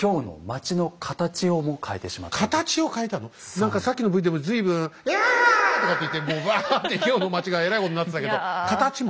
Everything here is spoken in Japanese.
何かさっきのＶでも随分「ヤーッ！」とかって言ってもうワァッて京の街がえらいことになってたけど形も？